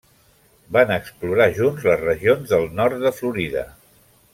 Van explorar junts les regions del nord de Florida.